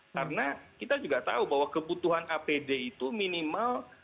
karena kita juga tahu bahwa kebutuhan apd itu minimal